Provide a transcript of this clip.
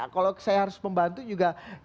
kalau saya harus membantu juga